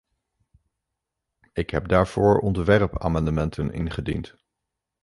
Ik heb daarvoor ontwerpamendementen ingediend.